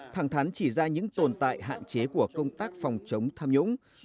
thẳng thán chỉ ra những tồn tại hạn chế của công tác phòng chống tham nhũng